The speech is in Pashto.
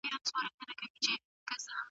کومه ميرمن ممکن لوی اولادونه ولري؟